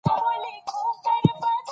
باران د افغانانو د تفریح یوه وسیله ده.